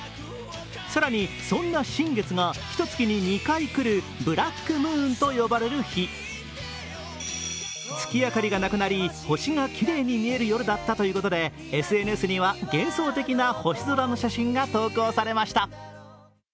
更に、そんな新月がひとつきに２回来るブラックムーンと呼ばれる日月明かりがなくなり、星がきれいに見える夜だったということでＳＮＳでは、幻想的な星空の写真が投稿されました。